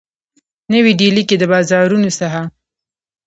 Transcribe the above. نوي ډیلي کي د بازارونو څخه